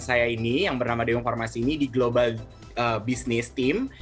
saya ini yang bernama deung farmasi ini di global business team